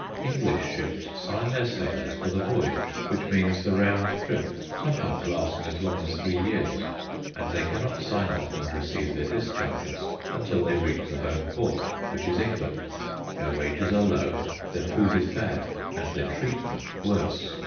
English ships sign their sailors for the voyage, which means the round trip, sometimes lasting as long as three years; and they cannot sign off and receive their discharges until they reach the home port, which is England. Their wages are low, their food is bad, and their treatment worse.